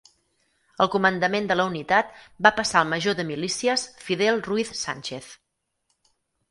El comandament de la unitat va passar al major de milícies Fidel Ruiz Sánchez.